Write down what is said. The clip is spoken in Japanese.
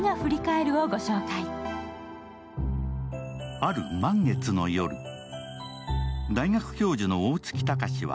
ある満月の夜、大学教授の大槻高志は